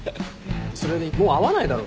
それにもう会わないだろ。